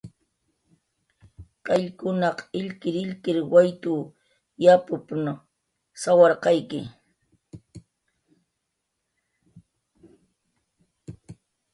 "Qayllkunaq illkirillkir waytw yapup""n sawarqayki."